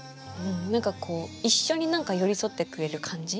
何かこう一緒に何か寄り添ってくれる感じ。